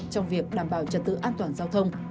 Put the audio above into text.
trong việc đảm bảo trật tự an toàn giao thông